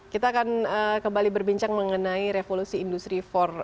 kita akan kembali berbincang mengenai revolusi industri empat